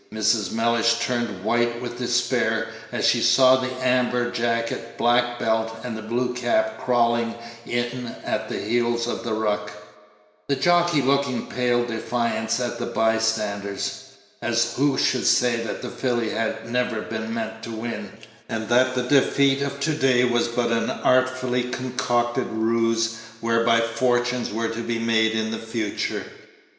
Mrs. Mellish turned white with despair, as she saw the amber jacket, black belt, and blue cap crawling in at the heels of the ruck, the jockey looking pale defiance at the by standers; as who should say that the filly had never been meant to win, and that the defeat of to day was but an artfully concocted ruse whereby fortunes were to be made in the future?